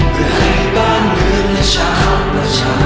เพื่อให้บ้านเมืองเช้าประชา